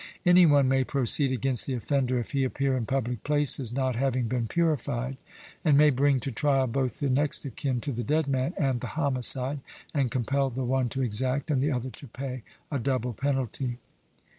Any one may proceed against the offender if he appear in public places, not having been purified; and may bring to trial both the next of kin to the dead man and the homicide, and compel the one to exact, and the other to pay, a double penalty.